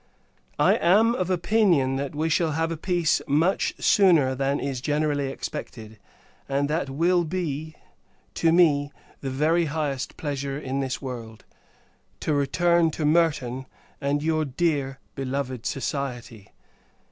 I am of opinion, that we shall have a peace much sooner than is generally expected: and that will be, to me, the very highest pleasure in this world; to return to Merton, and your dear beloved society.